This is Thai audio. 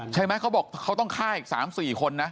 เขาบอกเขาต้องฆ่าอีก๓๔คนนะ